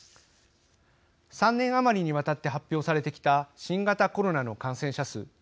３年余りにわたって発表されてきた新型コロナの感染者数。